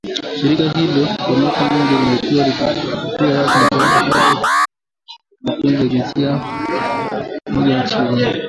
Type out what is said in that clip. Shirika hilo kwa miaka mingi limekuwa likitetea haki za watu wa mapenzi ya jinsia moja nchini Uganda.